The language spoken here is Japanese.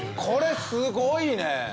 これすごいね！